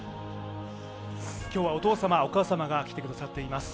今日はお父様、お母様が来てくださっています。